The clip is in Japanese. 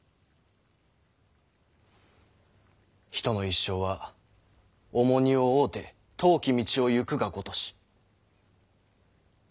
「人の一生は重荷を負うて遠き道を行くがごとし」。